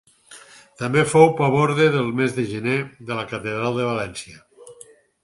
També fou paborde del mes de gener de la catedral de València.